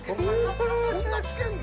こんなつけんの？